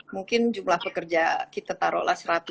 mungkin jumlah pekerja kita taruhlah seratus